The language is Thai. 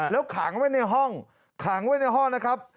แล้วขังไว้ในห้องขังไว้ในห้องนะครับ